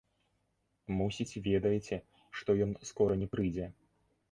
Мусіць, ведаеце, што ён скора не прыйдзе.